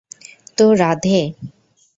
তো, রাধে।